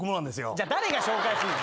じゃあ誰が紹介すんだ。